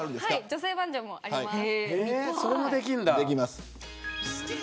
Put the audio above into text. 女性バージョンもあります。